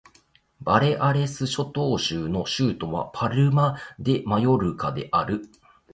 バレアレス諸島州の州都はパルマ・デ・マヨルカである